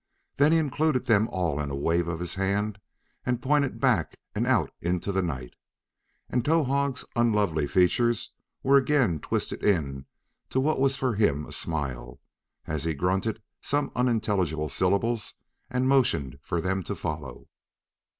Then he included them all in a wave of his hand and pointed back and out into the night. And Towahg's unlovely features were again twisted into what was for him a smile, as he grunted some unintelligible syllables and motioned them to follow.